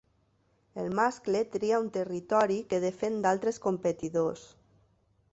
El mascle tria un territori que defèn d'altres competidors.